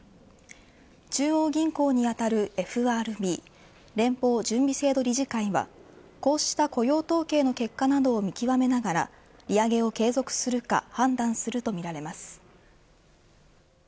中央銀行に当たるＦＲＢ＝連邦準備制度理事会はこうした雇用統計の結果などを見極めながら利上げを継続するか判断するとみられます。